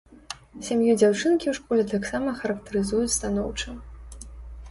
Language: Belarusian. Сям'ю дзяўчынкі ў школе таксама характарызуюць станоўча.